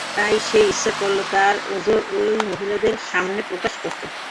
তাই সে ইচ্ছে করল তার ওযর ঐ মহিলাদের সামনে প্রকাশ করতে।